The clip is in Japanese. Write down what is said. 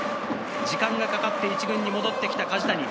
時間がかかって１軍に戻ってきた梶谷。